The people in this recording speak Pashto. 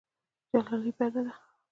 جلايي بد دی.